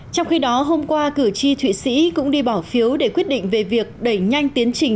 trong khi đó hôm qua cử tri thụy sĩ cũng đi bỏ phiếu để quyết định về việc đẩy nhanh tiến trình